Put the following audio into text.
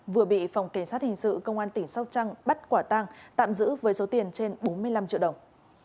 vừa bị phòng cảnh sát hình sự công an tỉnh sóc trăng bắt quả tăng tạm giữ với số tiền trên bốn mươi năm triệu đồng